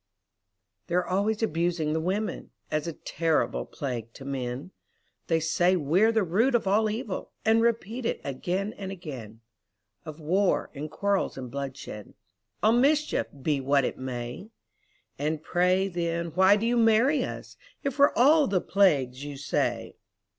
They're always abusing the women, As a terrible plague to men; They say we're the root of all evil, And repeat it again and again Of war, and quarrels, and bloodshed, All mischief, be what it may. And pray, then, why do you marry us, If we're all the plagues you say?